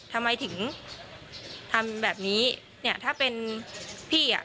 ทำไมถึงทำแบบนี้เนี่ยถ้าเป็นพี่อ่ะ